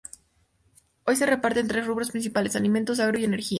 Hoy se reparte en tres rubros principales: alimentos, agro y energía.